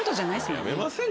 やめません？